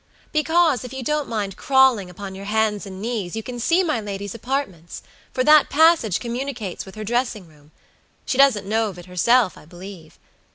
"Because, if you don't mind crawling upon your hands and knees, you can see my lady's apartments, for that passage communicates with her dressing room. She doesn't know of it herself, I believe.